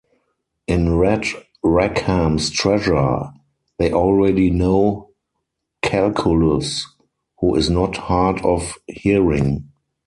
In Red Rackham's Treasure, they already know Calculus, who is not hard of hearing.